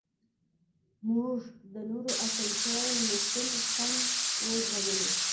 موږ د نورو اسانتیاوو نشتون هم وزغملو